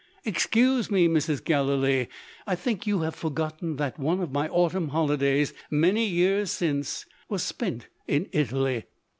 "Excuse me, Mrs. Gallilee, I think you have forgotten that one of my autumn holidays, many years since, was spent in Italy.